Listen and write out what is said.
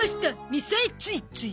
みさえついつい。